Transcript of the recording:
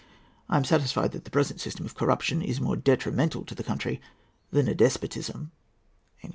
I am satisfied that the present system of corruption is more detrimental to the country than a despotism."